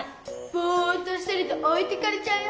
ぼうっとしてるとおいてかれちゃうよ。